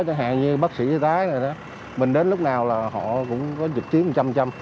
chẳng hạn như bác sĩ y tế này đó mình đến lúc nào là họ cũng có dịch tiến một trăm